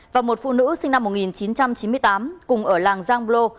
và một phụ nữ sinh năm một nghìn chín trăm chín mươi tám cùng ở làng giang bô